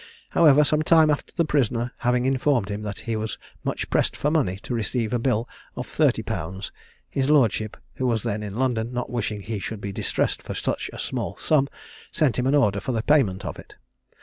However, some time after the prisoner having informed him that he was much pressed for money to retrieve a bill of 30_l._, his lordship, who was then in London, not wishing he should be distressed for such a small sum, sent him an order for the payment of it.